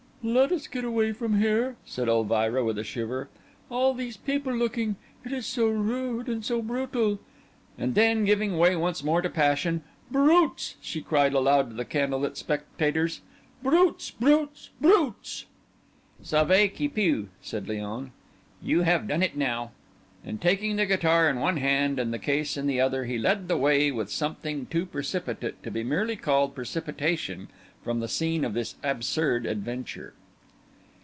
"Let us get away from here," said Elvira, with a shiver. "All these people looking—it is so rude and so brutal." And then giving way once more to passion—"Brutes!" she cried aloud to the candle lit spectators—"brutes! brutes! brutes!" "Sauve qui peut," said Léon. "You have done it now!" And taking the guitar in one hand and the case in the other, he led the way with something too precipitate to be merely called precipitation from the scene of this absurd adventure.